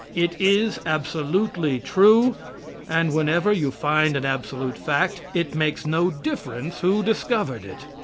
It is absolutely true, and whenever you find an absolute fact, it makes no difference who discovered it.